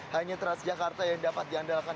hanya trans jakarta yang dapat diandalkan